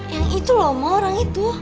yang itu lo mau orang itu